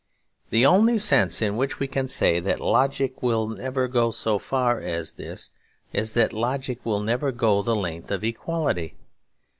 The only sense in which we can say that logic will never go so far as this is that logic will never go the length of equality.